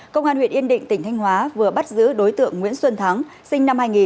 công an huyện yên định tỉnh thanh hóa vừa bắt giữ đối tượng nguyễn xuân thắng sinh năm hai nghìn